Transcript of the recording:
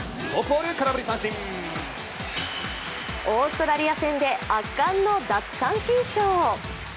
オーストラリア戦で圧巻の奪三振ショー。